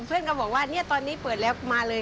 เพื่อนก็บอกว่าเนี่ยตอนนี้เปิดแล้วมาเลย